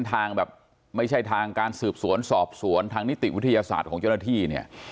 ทางแบบไม่ใช่ทางการสืบสวนสอบสวนทางนิติวิทยาศาสตร์ของเจ้าหน้าที่เนี่ย